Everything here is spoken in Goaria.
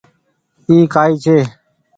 اي ڪائي ڇي۔